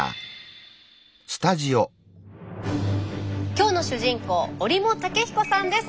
今日の主人公折茂武彦さんです。